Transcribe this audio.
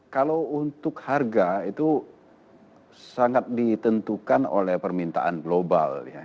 kalau untuk harga itu sangat ditentukan oleh permintaan global